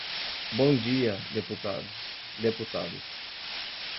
Bom dia, deputados, deputados.